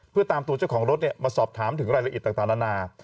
เพื่อตามตัวเจ้าของรถเนี่ยมาสอบถามถึงรายละอิดต่างต่างนานา